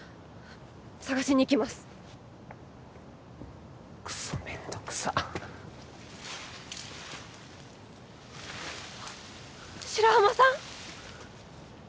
捜しに行きますクソめんどくさっ白浜さん！？